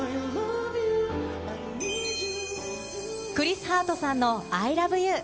クリス・ハートさんのアイラブユー。